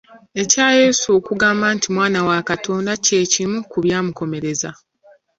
Ekya Yesu okugamba nti mwana wa Katonda kye kimu ku byamukomereza.